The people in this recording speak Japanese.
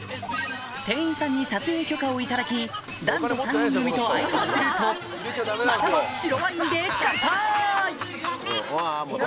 店員さんに撮影許可を頂き男女３人組と相席するとまたも白ワインでカンパイ！